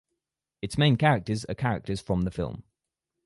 Its main characters are characters from the film.